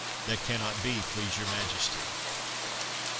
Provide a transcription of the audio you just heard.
"That cannot be, please your Majesty."